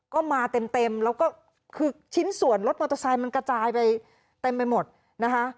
ก็มาเต็มเต็มแล้วก็คือชิ้นส่วนรถมอเตอร์ไซค์มันกระจายไปเต็มไปหมดนะคะ